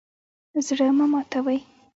زړه مه ماتوئ